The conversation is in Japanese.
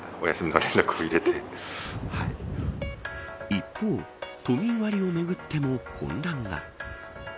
一方都民割をめぐっても混乱が。